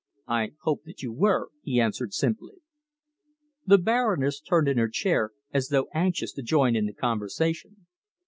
"I hoped that you were," he answered simply. The Baroness turned in her chair as though anxious to join in the conversation.